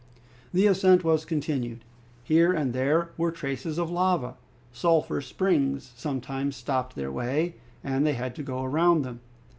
The ascent was continued. Here and there were traces of lava. Sulphur springs sometimes stopped their way, and they had to go round them.